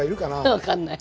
分かんない。